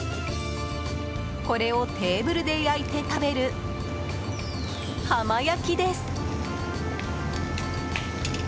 これをテーブルで焼いて食べる浜焼きです。